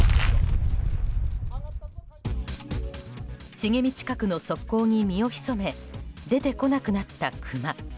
茂み近くの側溝に身を潜め出てこなくなったクマ。